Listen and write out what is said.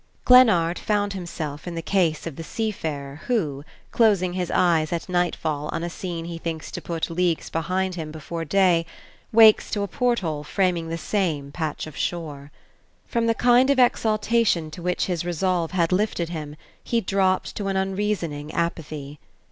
Glennard found himself in the case of the seafarer who, closing his eyes at nightfall on a scene he thinks to put leagues behind him before day, wakes to a port hole framing the same patch of shore. From the kind of exaltation to which his resolve had lifted him he dropped to an unreasoning apathy.